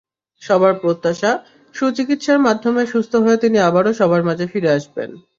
সবার প্রত্যাশা, সুচিকিৎসা মাধ্যমে সুস্থ হয়ে তিনি আবারও সবার মাঝে ফিরে আসবেন।